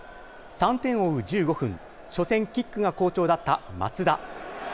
３点を追う１５分、初戦、キックが好調だった松田。